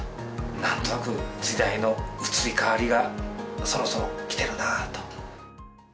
なんとなく時代の移り変わりがそろそろ来てるなあと。